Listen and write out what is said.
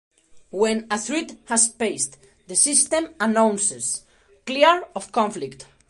When a threat has passed, the system announces "Clear of conflict".